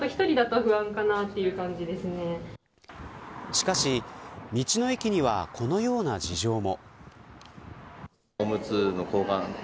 しかし、道の駅にはこのような事情も。